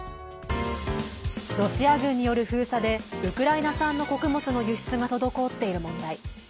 ロシア軍による封鎖でウクライナ産の穀物の輸出が滞っている問題。